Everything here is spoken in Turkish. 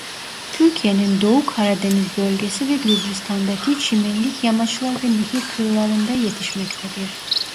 Türkiye'nin Doğu Karadeniz bölgesi ve Gürcistan'daki çimenlik yamaçlar ve nehir kıyılarında yetişmektedir.